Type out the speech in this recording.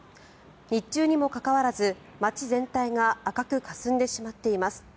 日中にもかかわらず、街全体が赤くかすんでしまっています。